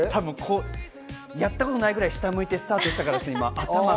やったことないぐらい下を向いてスタートしたから。